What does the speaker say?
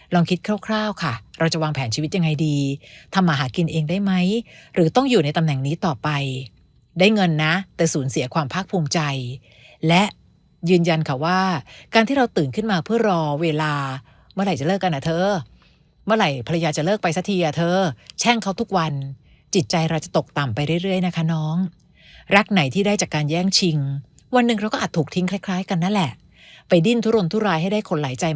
ลองคิดคร่าวค่ะเราจะวางแผนชีวิตยังไงดีทำหมาหากินเองได้ไหมหรือต้องอยู่ในตำแหน่งนี้ต่อไปได้เงินนะแต่สูญเสียความพักภูมิใจและยืนยันค่ะว่าการที่เราตื่นขึ้นมาเพื่อรอเวลาเมื่อไหร่จะเลิกกันอ่ะเธอเมื่อไหร่ภรรยาจะเลิกไปซะทีอ่ะเธอแช่งเขาทุกวันจิตใจเราจะตกต่ำไปเรื่อยนะคะน้องรัก